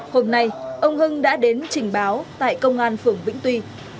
hôm nay ông hưng đã đến trình báo tại công an phường vĩnh tuy